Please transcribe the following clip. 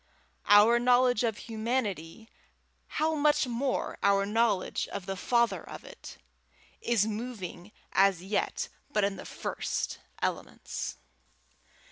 Our knowledge of humanity, how much more our knowledge of the Father of it, is moving as yet but in the first elements.